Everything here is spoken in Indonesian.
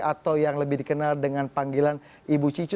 atau yang lebih dikenal dengan panggilan ibu cicu